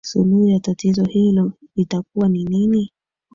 suluhu ya tatizo hilo itakuwa ni nini